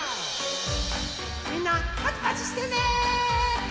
みんなパチパチしてね！